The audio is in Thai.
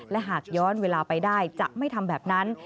และหากย้อนเวลาไปได้จะไม่ทำแบบนั้น